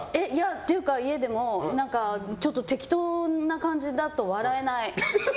というか、家でもちょっと適当な感じだと笑えない。